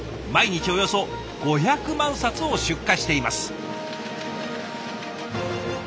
毎日およそ５００万冊を出荷しています。